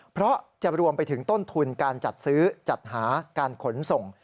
เพราะจะรวมไปถึงต้นทุนการจัดซื้อจัดหาการขนส่ง